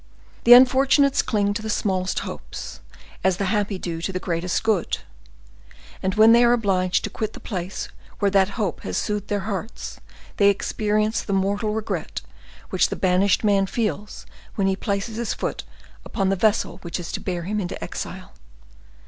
The unfortunates cling to the smallest hopes, as the happy do to the greatest good; and when they are obliged to quit the place where that hope has soothed their hearts, they experience the mortal regret which the banished man feels when he places his foot upon the vessel which is to bear him into exile.